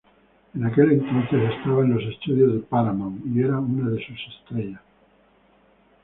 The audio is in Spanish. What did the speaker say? En aquel entonces estaba en los estudios Paramount y era una de sus estrellas.